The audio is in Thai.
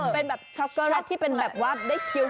เป็นช็อคโกะรัตที่เป็นแบบว่าได้เขี้ยว